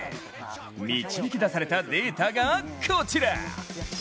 導き出されたデータがこちら。